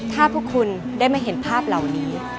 ถ้าพวกคุณได้มาเห็นภาพเหล่านี้